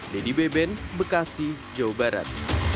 dedy beben bekasi jawa barat